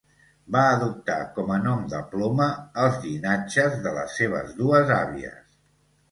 Va adoptar com a nom de ploma els llinatges de les seves dues àvies.